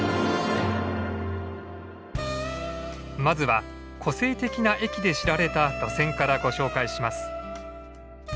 まずは個性的な駅で知られた路線からご紹介します。